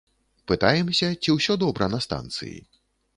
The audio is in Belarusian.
Пытаемся, ці ўсё добра на станцыі.